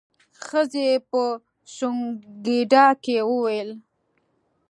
ښځې په سونګېدا کې وويل.